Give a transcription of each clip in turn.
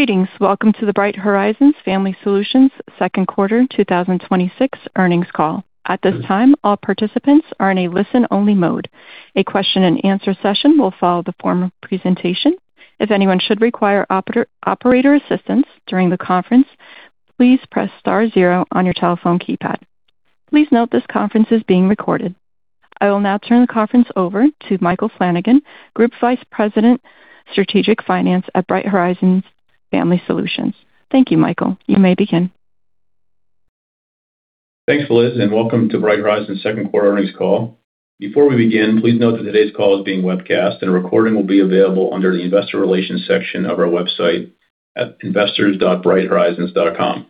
Greetings. Welcome to the Bright Horizons Family Solutions second quarter 2026 earnings call. At this time, all participants are in a listen-only mode. A question and answer session will follow the formal presentation. If anyone should require operator assistance during the conference, please press star zero on your telephone keypad. Please note this conference is being recorded. I will now turn the conference over to Michael Flanagan, Group Vice President, Strategic Finance at Bright Horizons Family Solutions. Thank you, Michael. You may begin. Thanks, Liz. Welcome to Bright Horizons second quarter earnings call. Before we begin, please note that today's call is being webcast, and a recording will be available under the investor relations section of our website at investors.brighthorizons.com.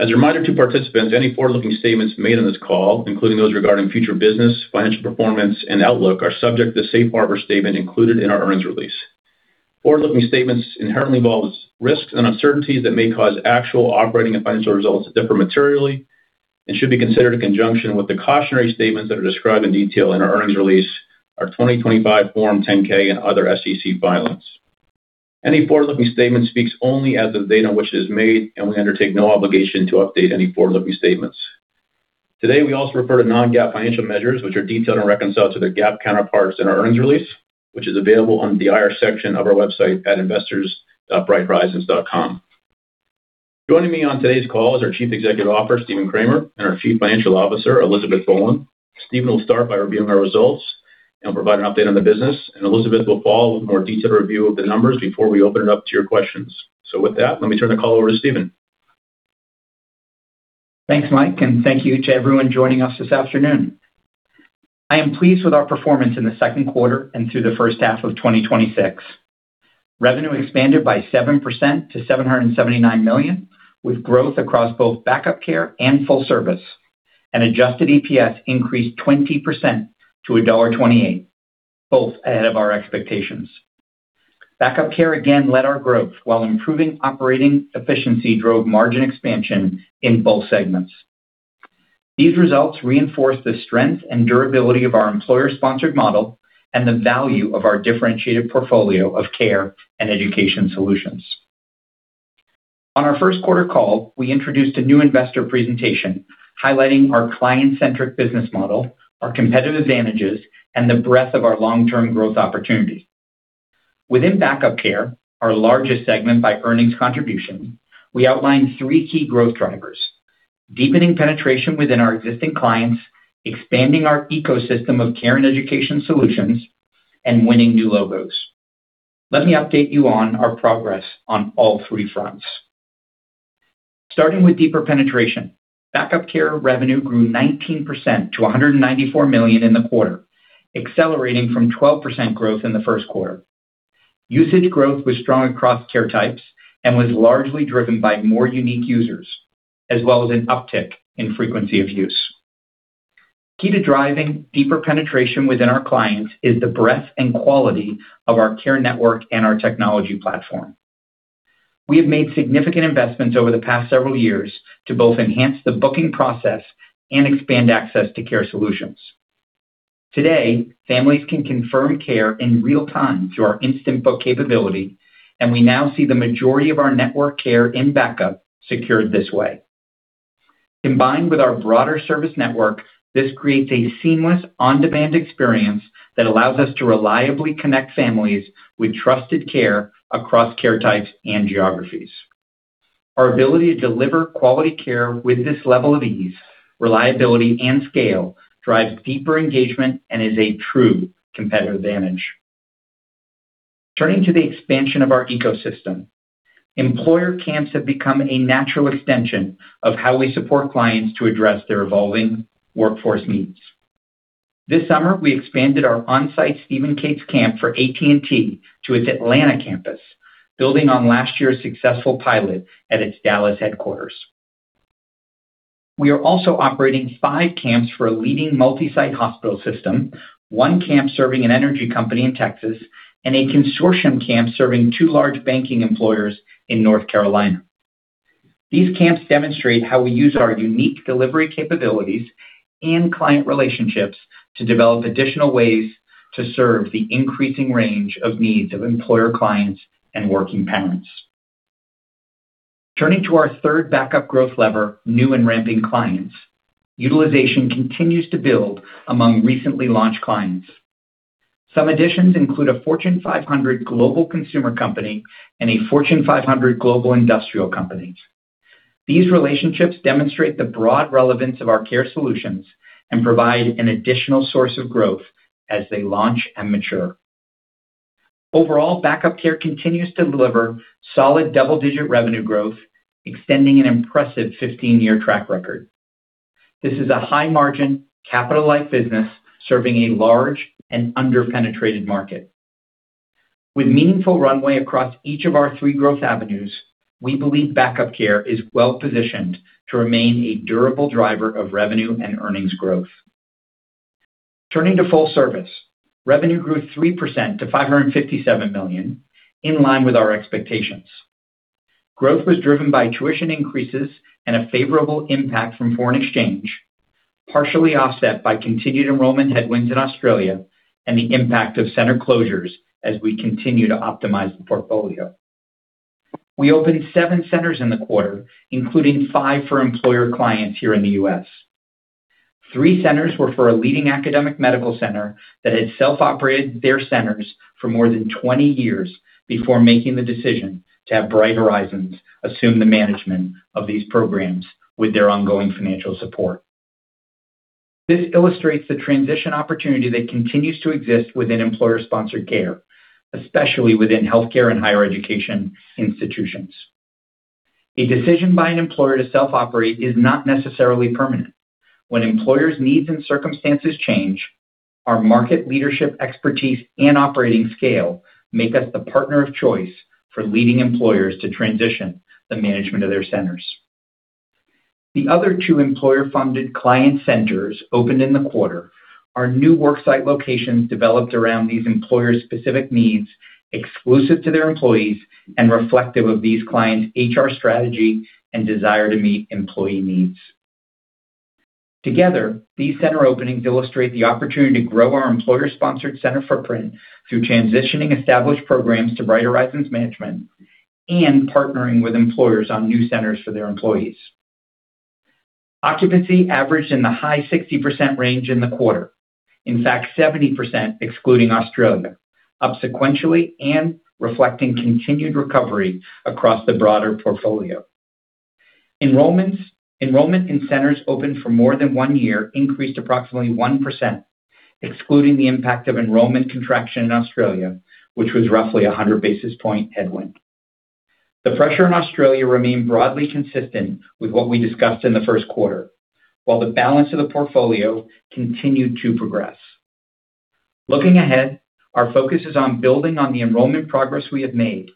As a reminder to participants, any forward-looking statements made on this call, including those regarding future business, financial performance, and outlook, are subject to the safe harbor statement included in our earnings release. Forward-looking statements inherently involve risks and uncertainties that may cause actual operating and financial results to differ materially and should be considered in conjunction with the cautionary statements that are described in detail in our earnings release, our 2025 Form 10-K and other SEC filings. Any forward-looking statement speaks only as of the date on which it is made, and we undertake no obligation to update any forward-looking statements. Today, we also refer to non-GAAP financial measures, which are detailed and reconciled to their GAAP counterparts in our earnings release, which is available on the IR section of our website at investors.brighthorizons.com. Joining me on today's call is our Chief Executive Officer, Stephen Kramer, and our Chief Financial Officer, Elizabeth Boland. Stephen will start by reviewing our results and provide an update on the business, Elizabeth will follow with a more detailed review of the numbers before we open it up to your questions. With that, let me turn the call over to Stephen. Thanks, Mike. Thank you to everyone joining us this afternoon. I am pleased with our performance in the second quarter and through the first half of 2026. Revenue expanded by 7% to $779 million, with growth across both Back-up Care and full service, adjusted EPS increased 20% to $1.28, both ahead of our expectations. Back-up Care again led our growth, while improving operating efficiency drove margin expansion in both segments. These results reinforce the strength and durability of our employer-sponsored model and the value of our differentiated portfolio of care and education solutions. On our first quarter call, we introduced a new investor presentation highlighting our client-centric business model, our competitive advantages, and the breadth of our long-term growth opportunities. Within Back-up Care, our largest segment by earnings contribution, we outlined three key growth drivers: deepening penetration within our existing clients, expanding our ecosystem of care and education solutions, and winning new logos. Let me update you on our progress on all three fronts. Starting with deeper penetration, Back-up Care revenue grew 19% to $194 million in the quarter, accelerating from 12% growth in the first quarter. Usage growth was strong across care types and was largely driven by more unique users, as well as an uptick in frequency of use. Key to driving deeper penetration within our clients is the breadth and quality of our care network and our technology platform. We have made significant investments over the past several years to both enhance the booking process and expand access to care solutions. Today, families can confirm care in real time through our instant book capability, and we now see the majority of our network care and Back-up secured this way. Combined with our broader service network, this creates a seamless on-demand experience that allows us to reliably connect families with trusted care across care types and geographies. Our ability to deliver quality care with this level of ease, reliability, and scale drives deeper engagement and is a true competitive advantage. Turning to the expansion of our ecosystem. Employer camps have become a natural extension of how we support clients to address their evolving workforce needs. This summer, we expanded our on-site Steve & Kate's camp for AT&T to its Atlanta campus, building on last year's successful pilot at its Dallas headquarters. We are also operating five camps for a leading multi-site hospital system, one camp serving an energy company in Texas, and a consortium camp serving two large banking employers in North Carolina. These camps demonstrate how we use our unique delivery capabilities and client relationships to develop additional ways to serve the increasing range of needs of employer clients and working parents. Turning to our third Back-up growth lever, new and ramping clients. Utilization continues to build among recently launched clients. Some additions include a Fortune 500 global consumer company and a Fortune 500 global industrial company. These relationships demonstrate the broad relevance of our care solutions and provide an additional source of growth as they launch and mature. Overall, Back-up Care continues to deliver solid double-digit revenue growth, extending an impressive 15-year track record. This is a high-margin, capital-light business serving a large and under-penetrated market. With meaningful runway across each of our three growth avenues, we believe Back-up Care is well-positioned to remain a durable driver of revenue and earnings growth. Turning to full service. Revenue grew 3% to $557 million, in line with our expectations. Growth was driven by tuition increases and a favorable impact from foreign exchange, partially offset by continued enrollment headwinds in Australia and the impact of center closures as we continue to optimize the portfolio. We opened seven centers in the quarter, including five for employer clients here in the U.S. Three centers were for a leading academic medical center that had self-operated their centers for more than 20 years before making the decision to have Bright Horizons assume the management of these programs with their ongoing financial support. This illustrates the transition opportunity that continues to exist within employer-sponsored care, especially within healthcare and higher education institutions. A decision by an employer to self-operate is not necessarily permanent. When employers' needs and circumstances change, our market leadership expertise and operating scale make us the partner of choice for leading employers to transition the management of their centers. The other two employer-funded client centers opened in the quarter are new work site locations developed around these employers' specific needs, exclusive to their employees, and reflective of these clients' HR strategy and desire to meet employee needs. Together, these center openings illustrate the opportunity to grow our employer-sponsored center footprint through transitioning established programs to Bright Horizons management and partnering with employers on new centers for their employees. Occupancy averaged in the high 60% range in the quarter. In fact, 70%, excluding Australia, up sequentially and reflecting continued recovery across the broader portfolio. Enrollment in centers open for more than one year increased approximately 1%, excluding the impact of enrollment contraction in Australia, which was roughly 100 basis point headwind. The pressure in Australia remained broadly consistent with what we discussed in the first quarter, while the balance of the portfolio continued to progress. Looking ahead, our focus is on building on the enrollment progress we have made,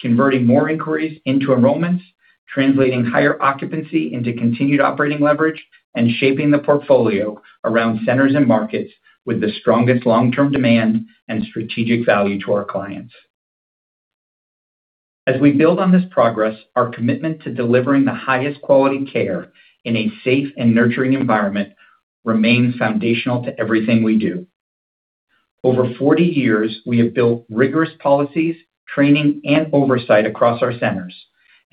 converting more inquiries into enrollments, translating higher occupancy into continued operating leverage, and shaping the portfolio around centers and markets with the strongest long-term demand and strategic value to our clients. As we build on this progress, our commitment to delivering the highest quality care in a safe and nurturing environment remains foundational to everything we do. Over 40 years, we have built rigorous policies, training, and oversight across our centers.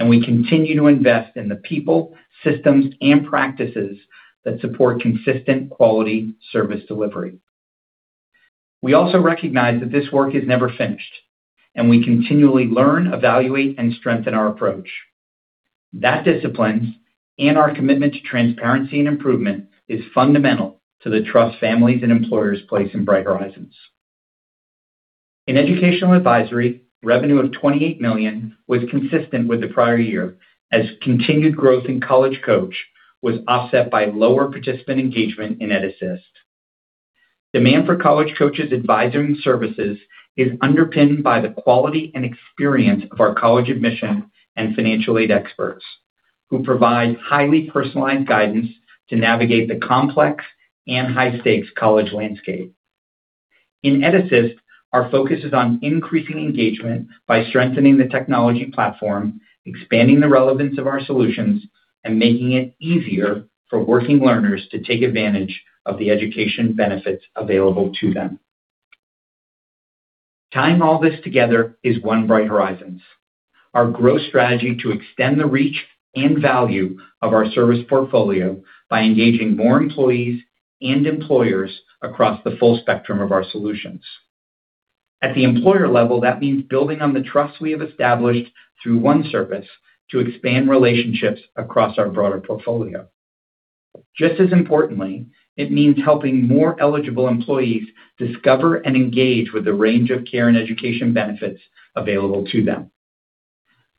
We continue to invest in the people, systems, and practices that support consistent quality service delivery. We also recognize that this work is never finished. We continually learn, evaluate, and strengthen our approach. That discipline and our commitment to transparency and improvement is fundamental to the trust families and employers place in Bright Horizons. In educational advisory, revenue of $28 million was consistent with the prior year, as continued growth in College Coach was offset by lower participant engagement in EdAssist. Demand for College Coach's advising services is underpinned by the quality and experience of our college admission and financial aid experts, who provide highly personalized guidance to navigate the complex and high-stakes college landscape. In EdAssist, our focus is on increasing engagement by strengthening the technology platform, expanding the relevance of our solutions, and making it easier for working learners to take advantage of the education benefits available to them. Tying all this together is One Bright Horizons, our growth strategy to extend the reach and value of our service portfolio by engaging more employees and employers across the full spectrum of our solutions. At the employer level, that means building on the trust we have established through one service to expand relationships across our broader portfolio. Just as importantly, it means helping more eligible employees discover and engage with the range of care and education benefits available to them.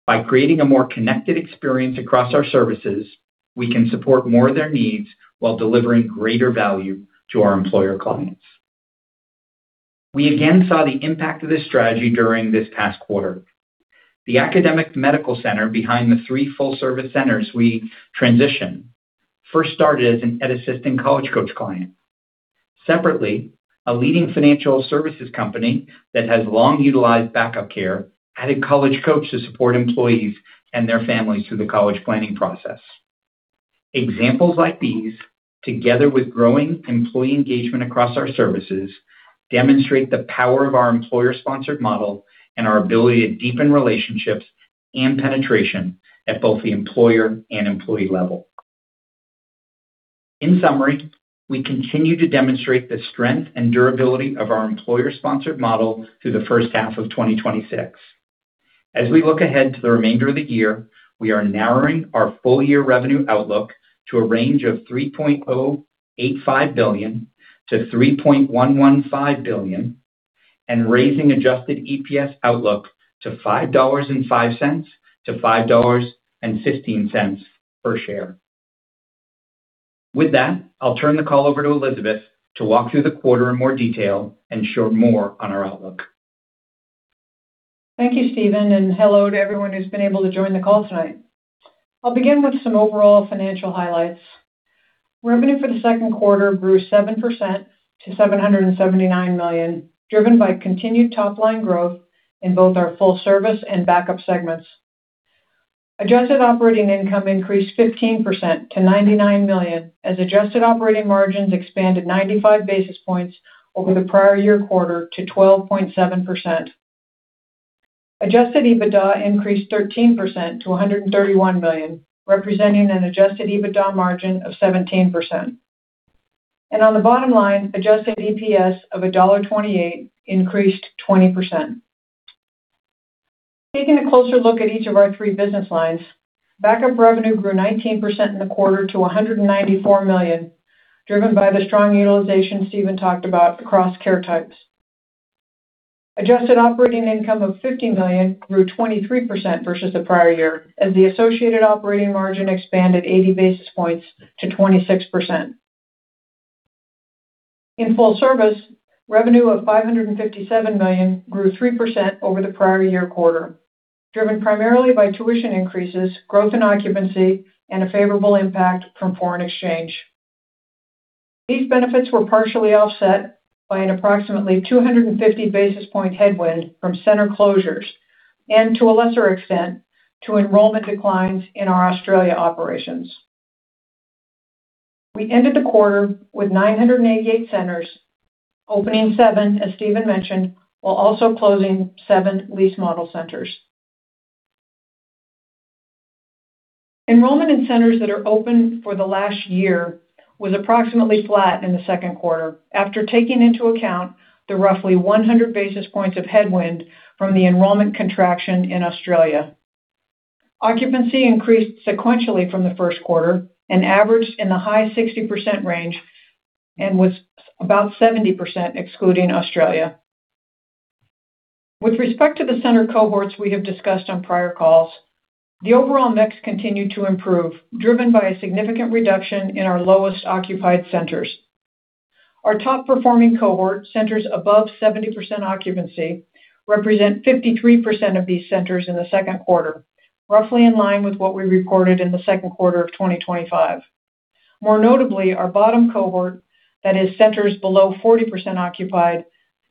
By creating a more connected experience across our services, we can support more of their needs while delivering greater value to our employer clients. We again saw the impact of this strategy during this past quarter. The academic medical center behind the 3 full-service centers we transitioned first started as an EdAssist and College Coach client. Separately, a leading financial services company that has long utilized Back-up Care added College Coach to support employees and their families through the college planning process. Examples like these, together with growing employee engagement across our services, demonstrate the power of our employer-sponsored model and our ability to deepen relationships and penetration at both the employer and employee level. In summary, we continue to demonstrate the strength and durability of our employer-sponsored model through the first half of 2026. As we look ahead to the remainder of the year, we are narrowing our full-year revenue outlook to a range of $3.085 billion-$3.115 billion and raising adjusted EPS outlook to $5.05-$5.15 per share. With that, I'll turn the call over to Elizabeth to walk through the quarter in more detail and share more on our outlook. Thank you, Stephen, and hello to everyone who's been able to join the call tonight. I'll begin with some overall financial highlights. Revenue for the second quarter grew 7% to $779 million, driven by continued top-line growth in both our full service and Back-up segments. Adjusted operating income increased 15% to $99 million, as adjusted operating margins expanded 95 basis points over the prior year quarter to 12.7%. Adjusted EBITDA increased 13% to $131 million, representing an adjusted EBITDA margin of 17%. On the bottom line, adjusted EPS of $1.28 increased 20%. Taking a closer look at each of our three business lines, Back-up revenue grew 19% in the quarter to $194 million, driven by the strong utilization Stephen talked about across care types. Adjusted operating income of $50 million grew 23% versus the prior year as the associated operating margin expanded 80 basis points to 26%. In full service, revenue of $557 million grew 3% over the prior year quarter, driven primarily by tuition increases, growth in occupancy, and a favorable impact from foreign exchange. These benefits were partially offset by an approximately 250 basis point headwind from center closures, and to a lesser extent, to enrollment declines in our Australia operations. We ended the quarter with 988 centers, opening seven, as Stephen mentioned, while also closing seven lease model centers. Enrollment in centers that are open for the last year was approximately flat in the second quarter, after taking into account the roughly 100 basis points of headwind from the enrollment contraction in Australia. Occupancy increased sequentially from the first quarter and averaged in the high 60% range and was about 70% excluding Australia. With respect to the center cohorts we have discussed on prior calls, the overall mix continued to improve, driven by a significant reduction in our lowest occupied centers. Our top performing cohort centers above 70% occupancy represent 53% of these centers in the second quarter, roughly in line with what we reported in the second quarter of 2025. More notably, our bottom cohort, that is centers below 40% occupied,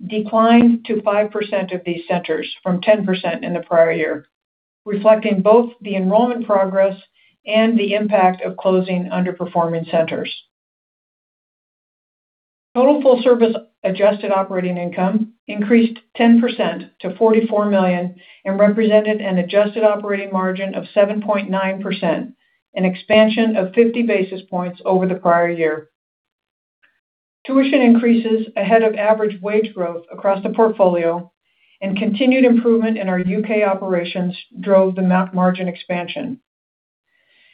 declined to 5% of these centers from 10% in the prior year, reflecting both the enrollment progress and the impact of closing underperforming centers. Total full service adjusted operating income increased 10% to $44 million and represented an adjusted operating margin of 7.9%, an expansion of 50 basis points over the prior year. Tuition increases ahead of average wage growth across the portfolio and continued improvement in our U.K. operations drove the net margin expansion.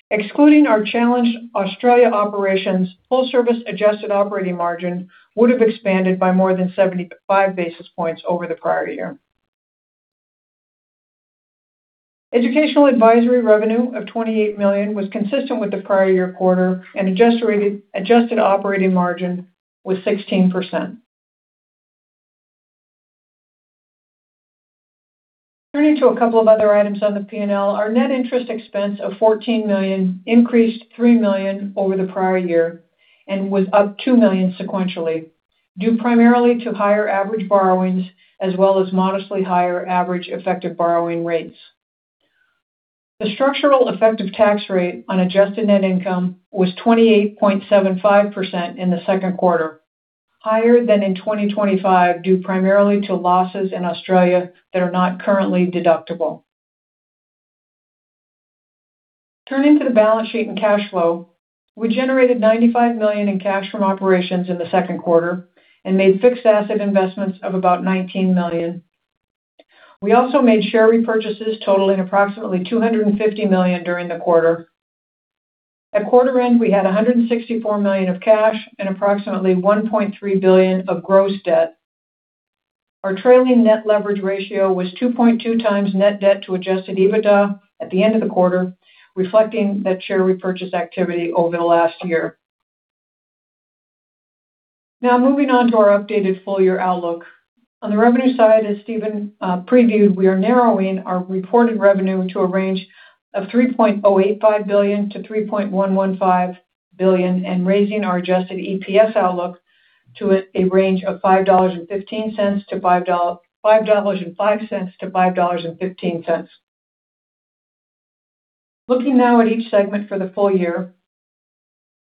Excluding our challenged Australia operations, full service adjusted operating margin would have expanded by more than 75 basis points over the prior year. Educational advisory revenue of $28 million was consistent with the prior year quarter, and adjusted operating margin was 16%. Turning to a couple of other items on the P&L, our net interest expense of $14 million increased $3 million over the prior year and was up $2 million sequentially, due primarily to higher average borrowings as well as modestly higher average effective borrowing rates. The structural effective tax rate on adjusted net income was 28.75% in the second quarter, higher than in 2025, due primarily to losses in Australia that are not currently deductible. Turning to the balance sheet and cash flow, we generated $95 million in cash from operations in the second quarter and made fixed asset investments of about $19 million. We also made share repurchases totaling approximately $250 million during the quarter. At quarter end, we had $164 million of cash and approximately $1.3 billion of gross debt. Our trailing net leverage ratio was 2.2x net debt to adjusted EBITDA at the end of the quarter, reflecting that share repurchase activity over the last year. Moving on to our updated full year outlook. On the revenue side, as Stephen previewed, we are narrowing our reported revenue to a range of $3.085 billion-$3.115 billion and raising our adjusted EPS outlook to a range of $5.05 to $5.15. Looking now at each segment for the full year.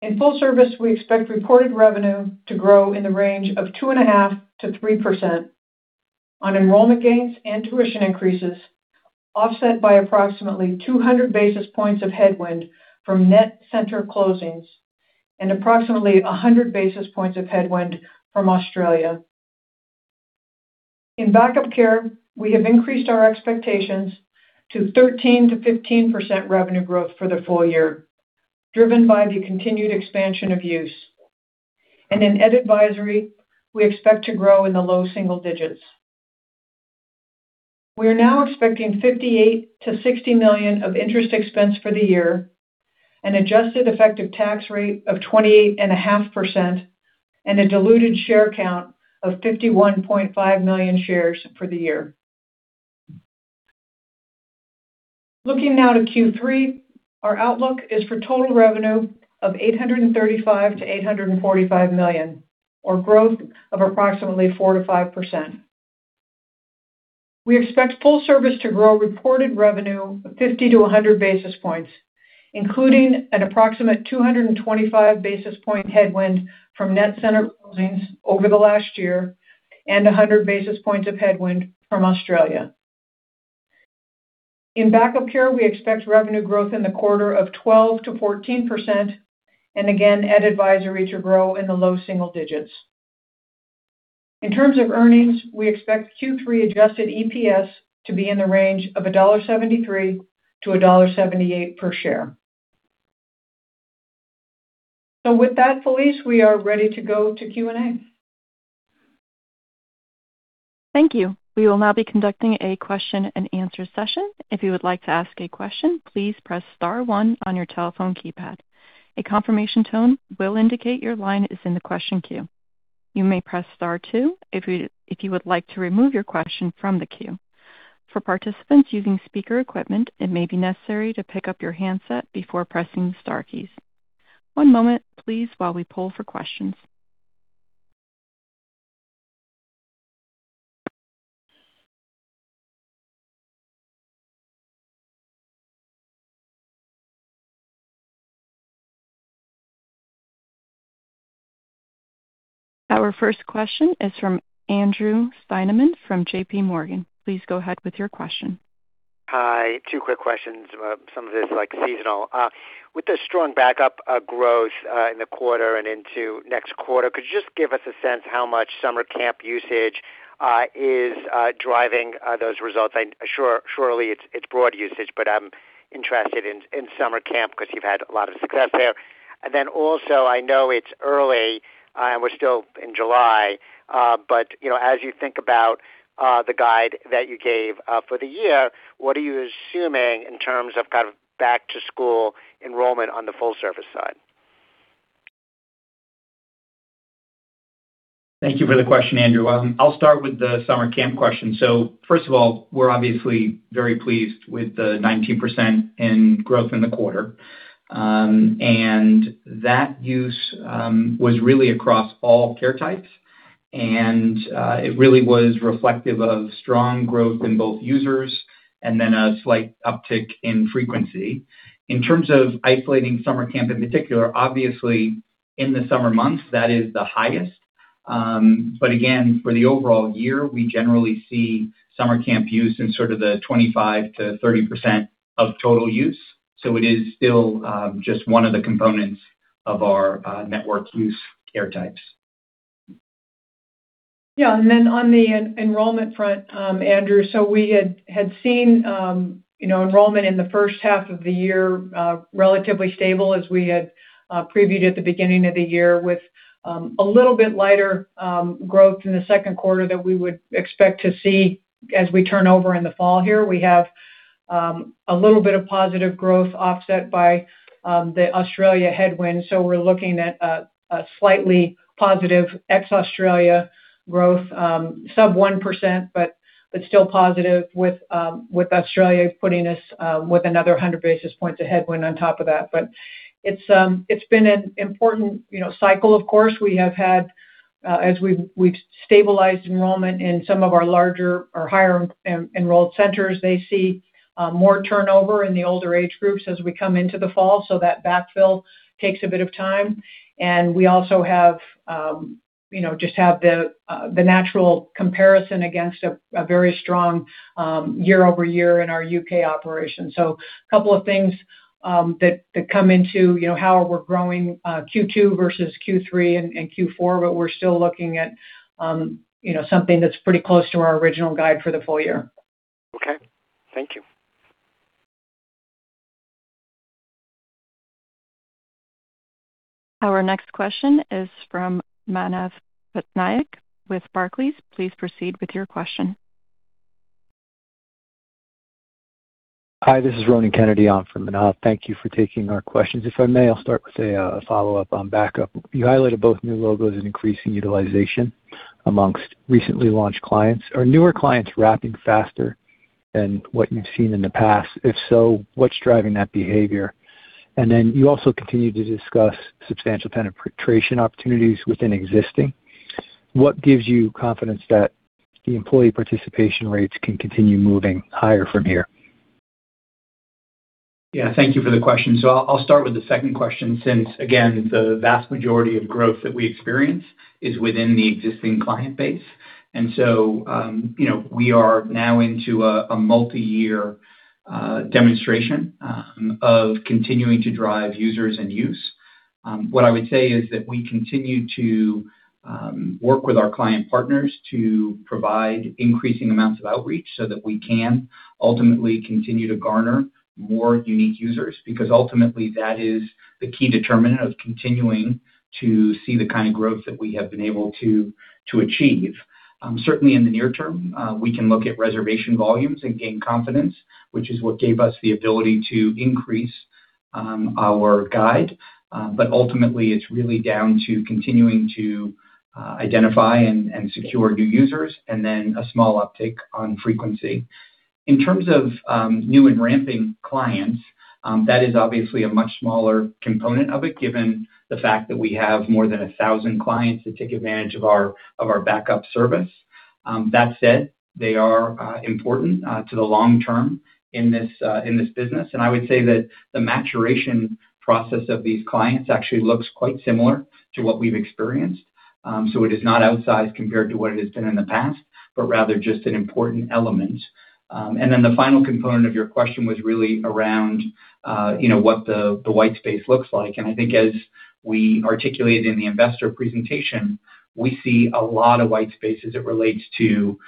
In full service, we expect reported revenue to grow in the range of 2.5%-3% on enrollment gains and tuition increases, offset by approximately 200 basis points of headwind from net center closings and approximately 100 basis points of headwind from Australia. In Back-up Care, we have increased our expectations to 13%-15% revenue growth for the full year, driven by the continued expansion of use. In ed advisory, we expect to grow in the low single digits. We are now expecting $58 million-$60 million of interest expense for the year, an adjusted effective tax rate of 28.5%, and a diluted share count of 51.5 million shares for the year. Looking now to Q3, our outlook is for total revenue of $835 million-$845 million, or growth of approximately 4%-5%. We expect full service to grow reported revenue of 50-100 basis points, including an approximate 225 basis point headwind from net center closings over the last year and 100 basis points of headwind from Australia. In Back-up Care, we expect revenue growth in the quarter of 12%-14%, and again, EdAssist to grow in the low single digits. In terms of earnings, we expect Q3 adjusted EPS to be in the range of $1.73-$1.78 per share. With that, Liz, we are ready to go to Q&A. Thank you. We will now be conducting a question and answer session. If you would like to ask a question, please press star one on your telephone keypad. A confirmation tone will indicate your line is in the question queue. You may press star two if you would like to remove your question from the queue. For participants using speaker equipment, it may be necessary to pick up your handset before pressing the star keys. One moment, please, while we poll for questions. Our first question is from Andrew Steinerman from JPMorgan. Please go ahead with your question. Hi, two quick questions. Some of this is seasonal. With the strong Back-up Care growth in the quarter and into next quarter, could you just give us a sense how much summer camp usage is driving those results? Surely it's broad usage, but I'm interested in summer camp because you've had a lot of success there. Also, I know it's early and we're still in July, but as you think about the guide that you gave for the year, what are you assuming in terms of back to school enrollment on the full service side? Thank you for the question, Andrew. I'll start with the summer camp question. First of all, we're obviously very pleased with the 19% in growth in the quarter. That use was really across all care types. It really was reflective of strong growth in both users and a slight uptick in frequency. In terms of isolating summer camp in particular, obviously in the summer months, that is the highest. Again, for the overall year, we generally see summer camp use in sort of the 25%-30% of total use. It is still just one of the components of our network use care types. Yeah. On the enrollment front, Andrew, we had seen enrollment in the first half of the year relatively stable as we had previewed at the beginning of the year, with a little bit lighter growth in the second quarter than we would expect to see as we turn over in the fall here. We have a little bit of positive growth offset by the Australia headwind. We're looking at a slightly positive ex-Australia growth, sub 1%, but still positive with Australia putting us with another 100 basis points of headwind on top of that. It's been an important cycle, of course. We have had, as we've stabilized enrollment in some of our larger or higher enrolled centers, they see more turnover in the older age groups as we come into the fall. That backfill takes a bit of time, and we also just have the natural comparison against a very strong year-over-year in our U.K. operation. A couple of things that come into how we're growing Q2 versus Q3 and Q4, we're still looking at something that's pretty close to our original guide for the full year. Okay. Thank you. Our next question is from Manav Patnaik with Barclays. Please proceed with your question. Hi, this is Ronan Kennedy on for Manav. Thank you for taking our questions. If I may, I'll start with a follow-up on Back-up. You highlighted both new logos and increasing utilization amongst recently launched clients. Are newer clients ramping faster than what you've seen in the past? If so, what's driving that behavior? Then you also continue to discuss substantial penetration opportunities within existing. What gives you confidence that the employee participation rates can continue moving higher from here? Yeah, thank you for the question. I'll start with the second question since, again, the vast majority of growth that we experience is within the existing client base. We are now into a multi-year demonstration of continuing to drive users and use. What I would say is that we continue to work with our client partners to provide increasing amounts of outreach so that we can ultimately continue to garner more unique users, because ultimately that is the key determinant of continuing to see the kind of growth that we have been able to achieve. Certainly in the near term, we can look at reservation volumes and gain confidence, which is what gave us the ability to increase our guide. Ultimately, it's really down to continuing to identify and secure new users, and then a small uptick on frequency. In terms of new and ramping clients, that is obviously a much smaller component of it, given the fact that we have more than 1,000 clients that take advantage of our Back-up service. That said, they are important to the long term in this business. I would say that the maturation process of these clients actually looks quite similar to what we've experienced. It is not outsized compared to what it has been in the past, but rather just an important element. Then the final component of your question was really around what the white space looks like. I think as we articulated in the investor presentation, we see a lot of white space as it relates to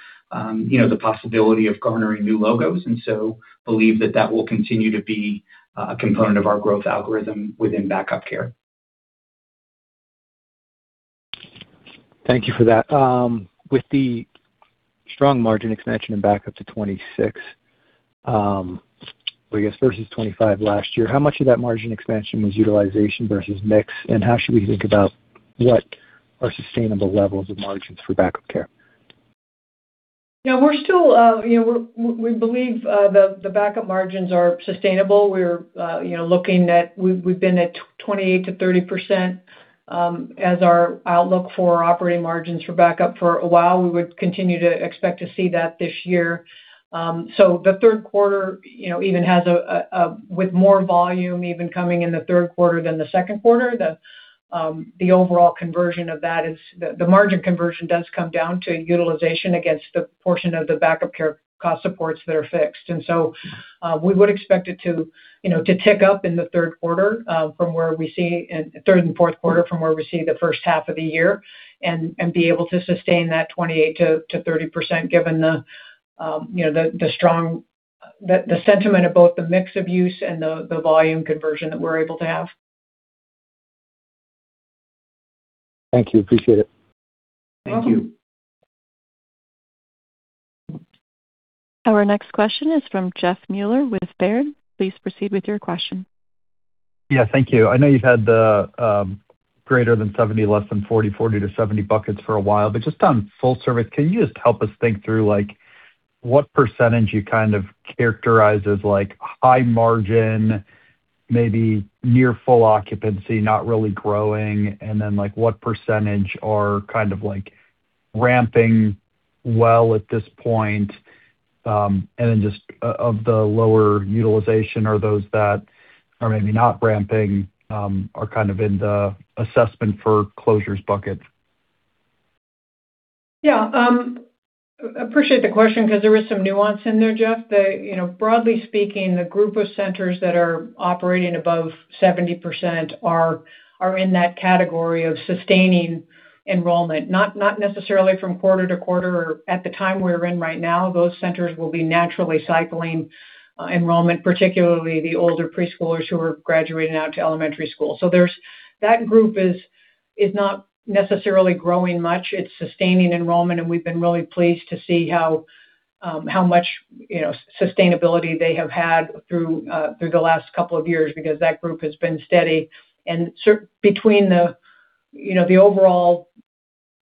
the possibility of garnering new logos, believe that that will continue to be a component of our growth algorithm within Back-up Care. Thank you for that. With the strong margin expansion in Back-up to 26%, well, I guess versus 25% last year, how much of that margin expansion was utilization versus mix? How should we think about what are sustainable levels of margins for Back-up Care? We believe the Back-up margins are sustainable. We've been at 28%-30% as our outlook for operating margins for Back-up for a while. We would continue to expect to see that this year. With more volume even coming in the third quarter than the second quarter, the margin conversion does come down to utilization against the portion of the Back-up Care cost supports that are fixed. We would expect it to tick up in the third and fourth quarter from where we see the first half of the year and be able to sustain that 28%-30%, given the sentiment of both the mix of use and the volume conversion that we're able to have. Thank you. Appreciate it. Thank you. Welcome. Our next question is from Jeff Meuler with Baird. Please proceed with your question. Thank you. I know you've had the greater than 70, less than 40 to 70 buckets for a while. Just on full service, can you just help us think through what % you characterize as high margin, maybe near full occupancy, not really growing? What % are ramping well at this point? Just of the lower utilization or those that are maybe not ramping, are in the assessment for closures bucket. Appreciate the question because there is some nuance in there, Jeff. Broadly speaking, the group of centers that are operating above 70% are in that category of sustaining enrollment, not necessarily from quarter to quarter or at the time we're in right now. Those centers will be naturally cycling enrollment, particularly the older preschoolers who are graduating out to elementary school. That group is not necessarily growing much. It's sustaining enrollment, we've been really pleased to see how much sustainability they have had through the last couple of years because that group has been steady. Between the overall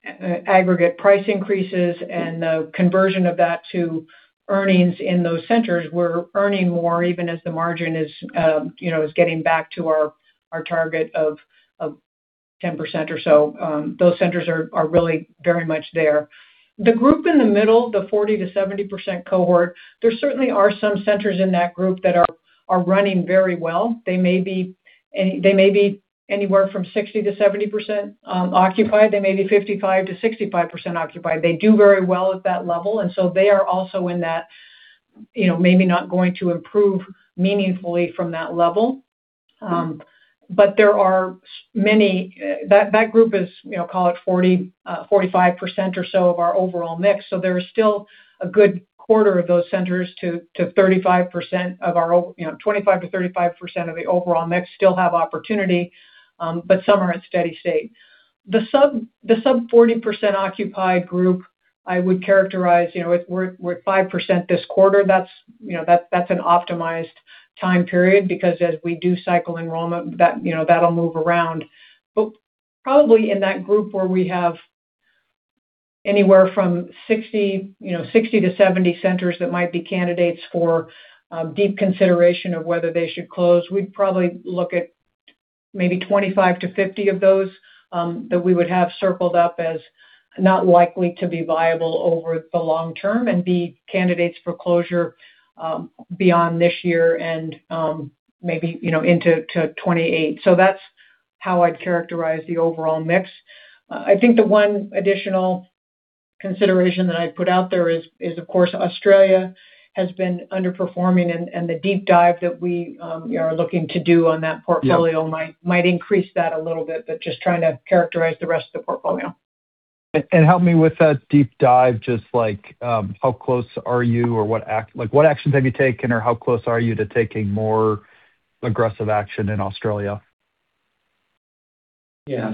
aggregate price increases and the conversion of that to earnings in those centers, we're earning more even as the margin is getting back to our target of 10% or so. Those centers are really very much there. The group in the middle, the 40% to 70% cohort, there certainly are some centers in that group that are running very well. They may be anywhere from 60%-70% occupied. They may be 55%-65% occupied. They do very well at that level, they are also in that maybe not going to improve meaningfully from that level. That group is, call it, 45% or so of our overall mix. There is still a good quarter of those centers to 25%-35% of the overall mix still have opportunity. Some are at steady state. The sub 40% occupied group, I would characterize, we're at 5% this quarter. That's an optimized time period because as we do cycle enrollment, that'll move around. Probably in that group where we have anywhere from 60-70 centers that might be candidates for deep consideration of whether they should close, we'd probably look at maybe 25-50 of those that we would have circled up as not likely to be viable over the long term and be candidates for closure beyond this year and maybe into 2028. That's how I'd characterize the overall mix. I think the one additional consideration that I'd put out there is, of course, Australia has been underperforming, the deep dive that we are looking to do on that portfolio- Yeah might increase that a little bit, just trying to characterize the rest of the portfolio. Help me with that deep dive, just how close are you, or what actions have you taken, or how close are you to taking more aggressive action in Australia? Yeah.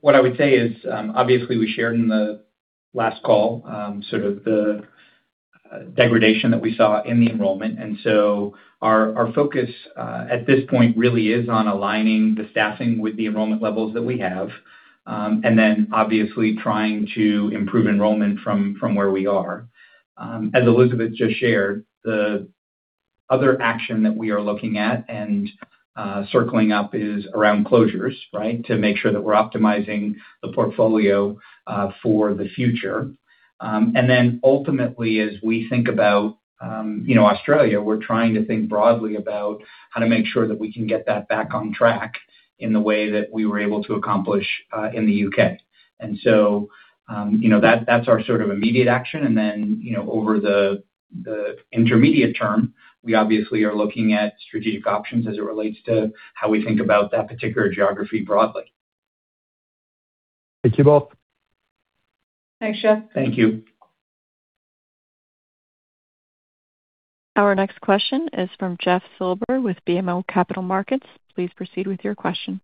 What I would say is, obviously, we shared in the last call the degradation that we saw in the enrollment. Our focus at this point really is on aligning the staffing with the enrollment levels that we have, obviously trying to improve enrollment from where we are. As Elizabeth just shared, the other action that we are looking at and circling up is around closures. To make sure that we're optimizing the portfolio for the future. Ultimately, as we think about Australia, we're trying to think broadly about how to make sure that we can get that back on track in the way that we were able to accomplish in the U.K. That's our sort of immediate action, over the intermediate term, we obviously are looking at strategic options as it relates to how we think about that particular geography broadly. Thank you both. Thanks, Jeff. Thank you. Our next question is from Jeff Silber with BMO Capital Markets. Please proceed with your question.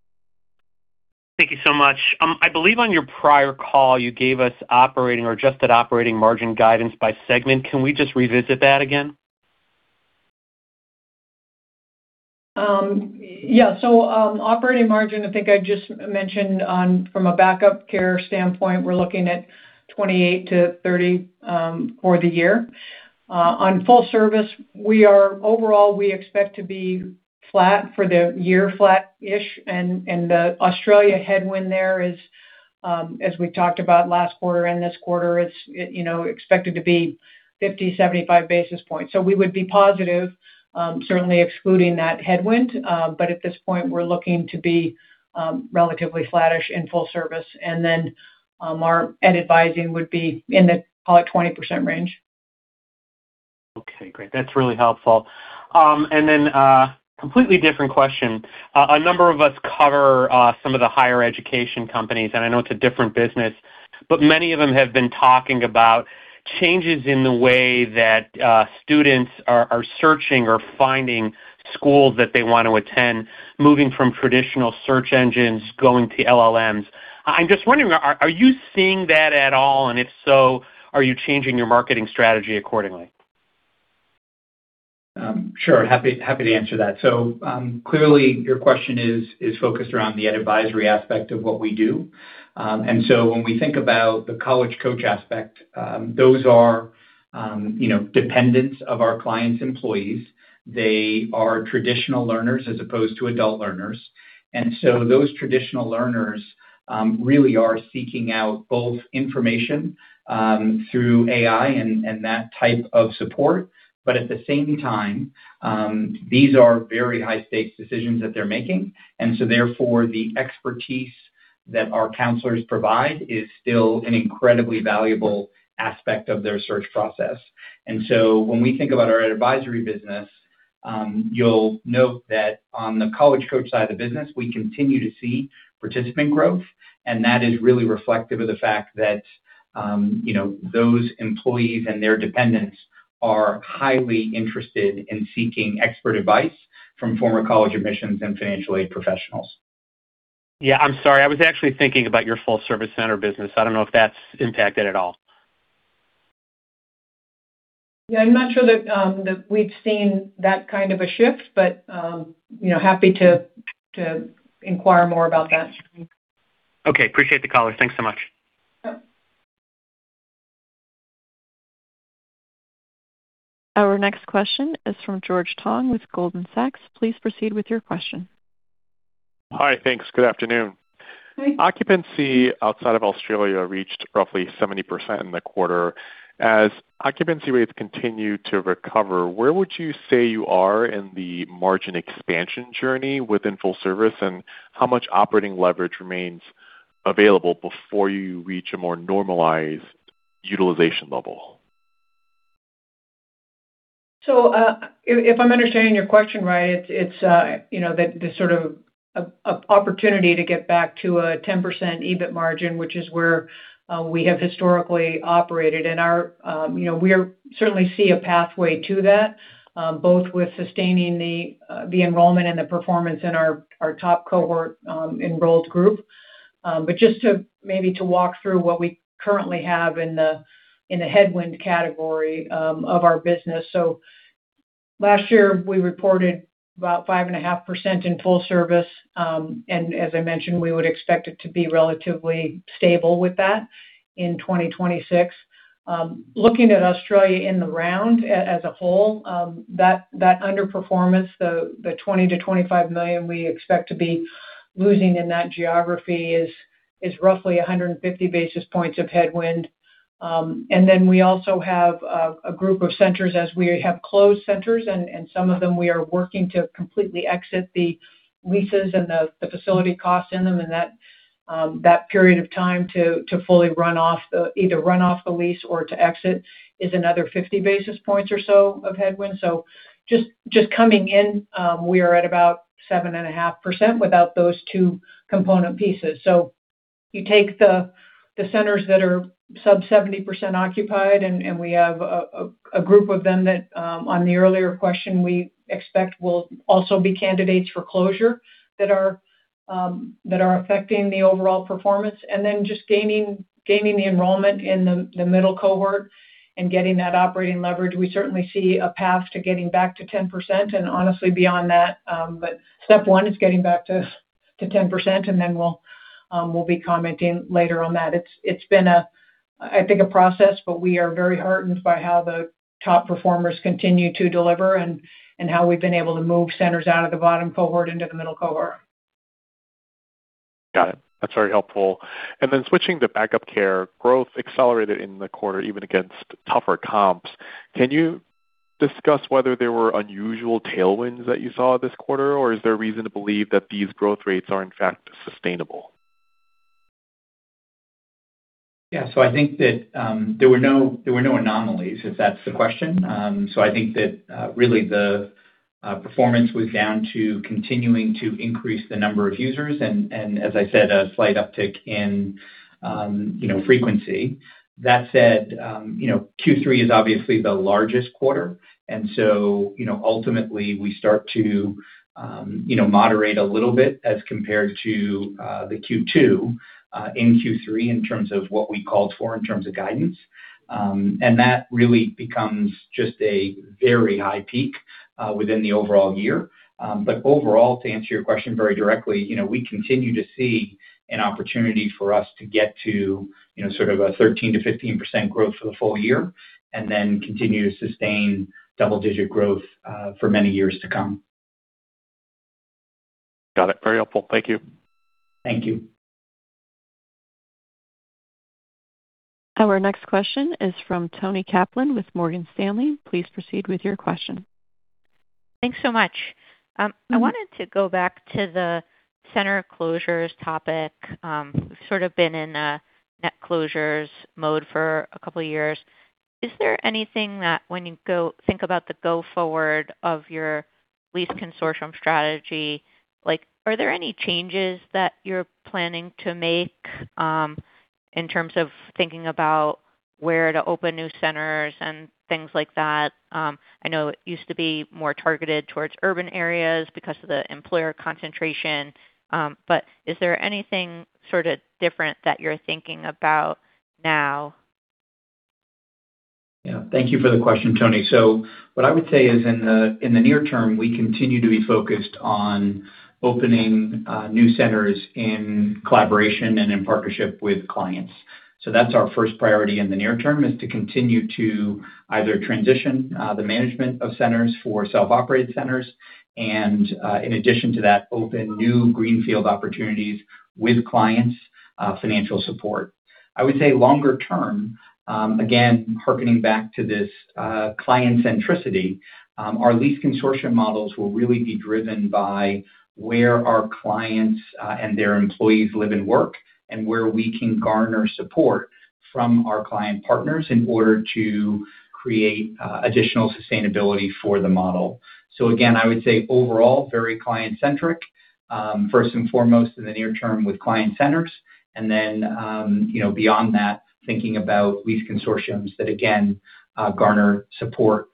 Thank you so much. I believe on your prior call, you gave us operating or adjusted operating margin guidance by segment. Can we just revisit that again? Yeah. Operating margin, I think I just mentioned from a Back-up Care standpoint, we're looking at 28%-30% for the year. On full service, overall, we expect to be flat for the year, flat-ish, and the Australia headwind there is, as we talked about last quarter and this quarter, expected to be 50-75 basis points. We would be positive, certainly excluding that headwind. At this point, we're looking to be relatively flattish in full service, and then our ed advising would be in the call it 20% range. Okay, great. That's really helpful. Completely different question. A number of us cover some of the higher education companies, and I know it's a different business, but many of them have been talking about changes in the way that students are searching or finding schools that they want to attend, moving from traditional search engines, going to LLMs. I'm just wondering, are you seeing that at all? If so, are you changing your marketing strategy accordingly? Sure. Happy to answer that. Clearly, your question is focused around the ed advisory aspect of what we do. When we think about the College Coach aspect, those are dependents of our clients' employees. They are traditional learners as opposed to adult learners. Those traditional learners really are seeking out both information through AI and that type of support. At the same time, these are very high-stakes decisions that they're making. Therefore, the expertise that our counselors provide is still an incredibly valuable aspect of their search process. When we think about our ed advisory business, you'll note that on the College Coach side of the business, we continue to see participant growth, and that is really reflective of the fact that those employees and their dependents are highly interested in seeking expert advice from former college admissions and financial aid professionals. Yeah, I'm sorry. I was actually thinking about your full service center business. I don't know if that's impacted at all. Yeah, I'm not sure that we've seen that kind of a shift, but happy to inquire more about that. Okay. Appreciate the color. Thanks so much. Sure. Our next question is from George Tong with Goldman Sachs. Please proceed with your question. Hi. Thanks. Good afternoon. Hi. Occupancy outside of Australia reached roughly 70% in the quarter. As occupancy rates continue to recover, where would you say you are in the margin expansion journey within full service, and how much operating leverage remains available before you reach a more normalized utilization level? If I'm understanding your question right, it's the sort of opportunity to get back to a 10% EBIT margin, which is where we have historically operated. We certainly see a pathway to that, both with sustaining the enrollment and the performance in our top cohort enrolled group. Just to maybe to walk through what we currently have in the headwind category of our business. Last year, we reported about 5.5% in full service. As I mentioned, we would expect it to be relatively stable with that in 2026. Looking at Australia in the round as a whole, that underperformance, the $20 million-$25 million we expect to be losing in that geography is roughly 150 basis points of headwind. We also have a group of centers as we have closed centers, and some of them we are working to completely exit the leases and the facility costs in them and that period of time to either run off the lease or to exit is another 50 basis points or so of headwind. Just coming in, we are at about 7.5% without those two component pieces. You take the centers that are sub 70% occupied, and we have a group of them that, on the earlier question, we expect will also be candidates for closure, that are affecting the overall performance. Just gaining the enrollment in the middle cohort and getting that operating leverage. We certainly see a path to getting back to 10% and honestly, beyond that. Step one is getting back to 10%, and then we'll be commenting later on that. It's been, I think, a process, but we are very heartened by how the top performers continue to deliver and how we've been able to move centers out of the bottom cohort into the middle cohort. Got it. That's very helpful. Switching to Back-up Care, growth accelerated in the quarter even against tougher comps. Can you discuss whether there were unusual tailwinds that you saw this quarter, or is there reason to believe that these growth rates are in fact sustainable? I think that there were no anomalies, if that's the question. I think that really the performance was down to continuing to increase the number of users and, as I said, a slight uptick in frequency. That said, Q3 is obviously the largest quarter, and so ultimately we start to moderate a little bit as compared to the Q2 in Q3 in terms of what we called for in terms of guidance. That really becomes just a very high peak, within the overall year. Overall, to answer your question very directly, we continue to see an opportunity for us to get to sort of a 13%-15% growth for the full year, and then continue to sustain double-digit growth for many years to come. Got it. Very helpful. Thank you. Thank you. Our next question is from Toni Kaplan with Morgan Stanley. Please proceed with your question. Thanks so much. I wanted to go back to the center closures topic. Sort of been in a net closures mode for a couple of years. Is there anything that when you think about the go forward of your lease consortium strategy, are there any changes that you're planning to make, in terms of thinking about where to open new centers and things like that? I know it used to be more targeted towards urban areas because of the employer concentration. Is there anything sort of different that you're thinking about now? Thank you for the question, Toni. What I would say is in the near term, we continue to be focused on opening new centers in collaboration and in partnership with clients. That is our first priority in the near term, is to continue to either transition the management of centers for self-operated centers and, in addition to that, open new greenfield opportunities with clients' financial support. I would say longer term, again, hearkening back to this client centricity, our lease consortium models will really be driven by where our clients and their employees live and work, and where we can garner support from our client partners in order to create additional sustainability for the model. Again, I would say overall, very client-centric. First and foremost in the near term with client centers. Beyond that, thinking about lease consortiums that again, garner support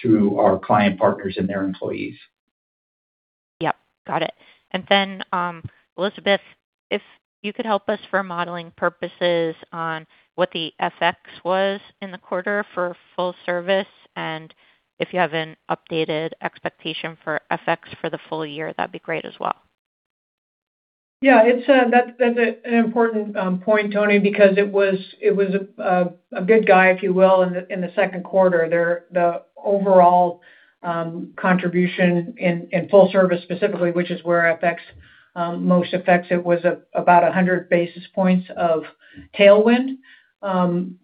through our client partners and their employees. Got it. Elizabeth, if you could help us for modeling purposes on what the FX was in the quarter for full service and if you have an updated expectation for FX for the full year, that'd be great as well. That is an important point, Toni, because it was a big guy, if you will, in the second quarter. The overall contribution in full service specifically, which is where FX most affects it, was about 100 basis points of tailwind.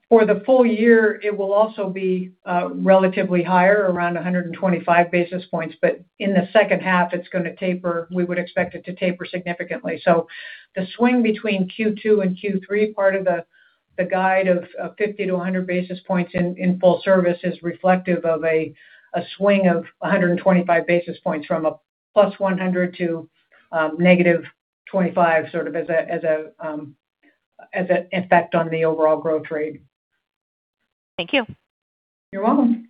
For the full year, it will also be relatively higher, around 125 basis points. In the second half, we would expect it to taper significantly. The swing between Q2 and Q3, part of the guide of 50 to 100 basis points in full service is reflective of a swing of 125 basis points from a +100 to -25, sort of as an effect on the overall growth rate. Thank you. You're welcome.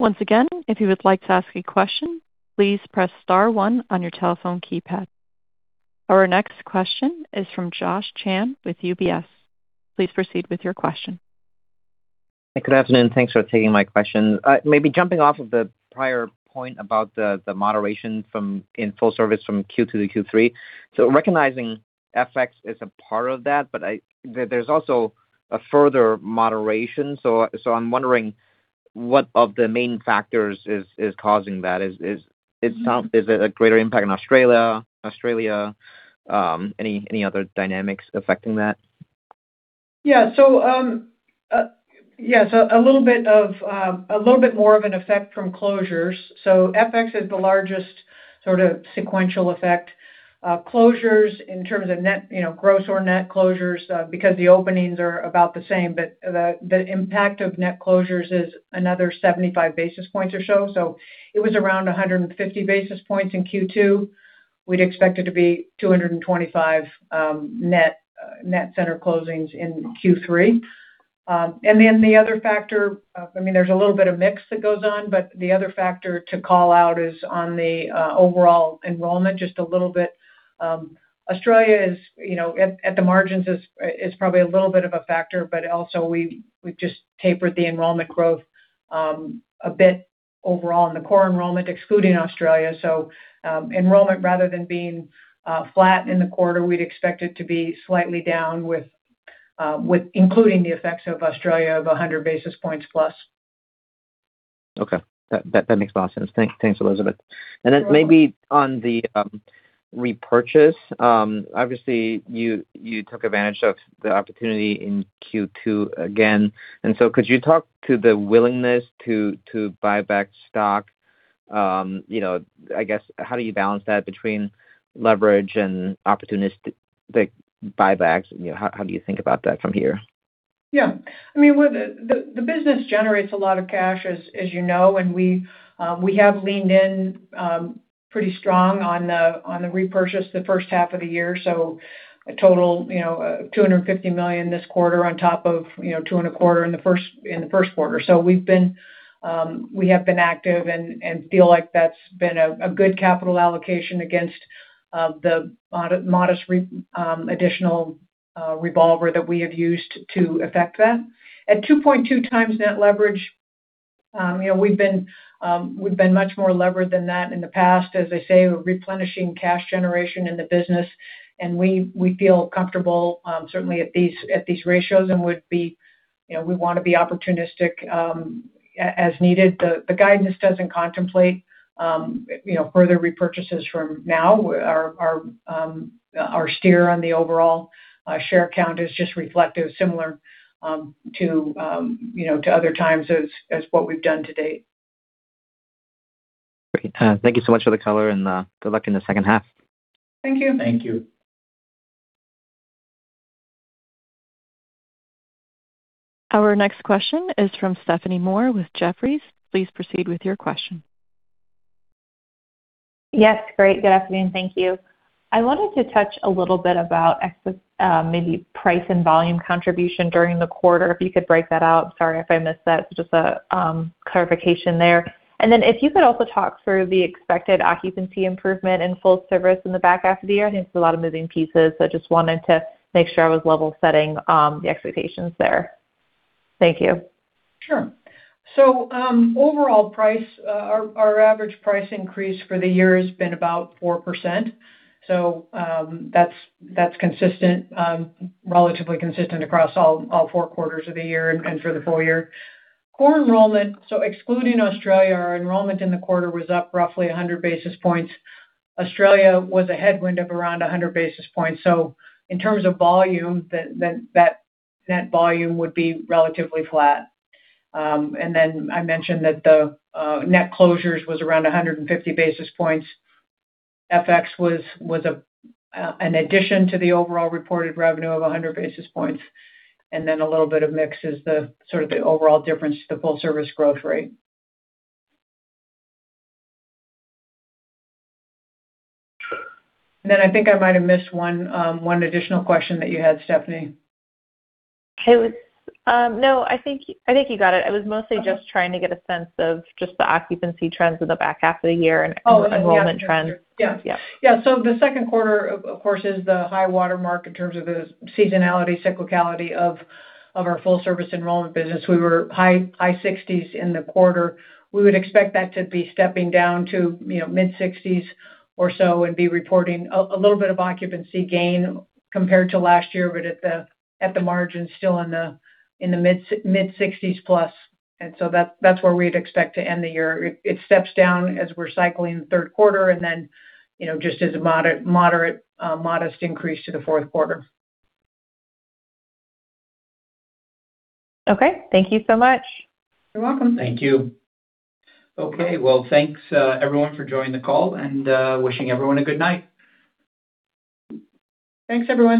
Once again, if you would like to ask a question, please press star one on your telephone keypad. Our next question is from Josh Chan with UBS. Please proceed with your question. Good afternoon. Thanks for taking my question. Maybe jumping off of the prior point about the moderation in full service from Q2 to Q3. Recognizing FX is a part of that, but there's also a further moderation. I'm wondering what of the main factors is causing that. Is it a greater impact on Australia? Any other dynamics affecting that? A little bit more of an effect from closures. FX is the largest sort of sequential effect. Closures in terms of gross or net closures, because the openings are about the same, but the impact of net closures is another 75 basis points or so. It was around 150 basis points in Q2. We'd expect it to be 225 net center closings in Q3. The other factor, there's a little bit of mix that goes on, but the other factor to call out is on the overall enrollment just a little bit. Australia at the margins is probably a little bit of a factor, but also we just tapered the enrollment growth a bit overall in the core enrollment, excluding Australia. Enrollment rather than being flat in the quarter, we'd expect it to be slightly down with including the effects of Australia of 100 basis points plus. Okay. That makes a lot of sense. Thanks, Elizabeth. You're welcome. Maybe on the repurchase, obviously, you took advantage of the opportunity in Q2 again. Could you talk to the willingness to buy back stock? I guess, how do you balance that between leverage and opportunistic buybacks? How do you think about that from here? The business generates a lot of cash, as you know. We have leaned in pretty strong on the repurchase the first half of the year. A total, $250 million this quarter on top of two and a quarter in the first quarter. We have been active and feel like that's been a good capital allocation against the modest additional revolver that we have used to effect that. At 2.2 times net leverage, we've been much more levered than that in the past. As I say, we're replenishing cash generation in the business. We feel comfortable, certainly at these ratios. We want to be opportunistic as needed. The guidance doesn't contemplate further repurchases from now. Our steer on the overall share count is just reflective, similar to other times as what we've done to date. Great. Thank you so much for the color. Good luck in the second half. Thank you. Thank you. Our next question is from Stephanie Moore with Jefferies. Please proceed with your question. Yes, great. Good afternoon. Thank you. I wanted to touch a little bit about maybe price and volume contribution during the quarter, if you could break that out. Sorry if I missed that. Just a clarification there. If you could also talk through the expected occupancy improvement in full service in the back half of the year, I think there's a lot of moving pieces. I just wanted to make sure I was level setting the expectations there. Thank you. Sure. Overall price, our average price increase for the year has been about 4%. That's relatively consistent across all four quarters of the year and for the full year. Core enrollment, excluding Australia, our enrollment in the quarter was up roughly 100 basis points. Australia was a headwind of around 100 basis points. In terms of volume, that net volume would be relatively flat. I mentioned that the net closures was around 150 basis points. FX was an addition to the overall reported revenue of 100 basis points, a little bit of mix is the sort of overall difference to the full service growth rate. I think I might have missed one additional question that you had, Stephanie. No, I think you got it. I was mostly just trying to get a sense of just the occupancy trends in the back half of the year and enrollment trends. Yeah. Yeah. Yeah. The second quarter, of course, is the high water mark in terms of the seasonality, cyclicality of our full service enrollment business. We were high 60s in the quarter. We would expect that to be stepping down to mid 60s or so, and be reporting a little bit of occupancy gain compared to last year, but at the margin, still in the mid 60s plus. That's where we'd expect to end the year. It steps down as we're cycling the third quarter, just as a modest increase to the fourth quarter. Okay. Thank you so much. You're welcome. Thank you. Okay, well, thanks everyone for joining the call, wishing everyone a good night. Thanks, everyone.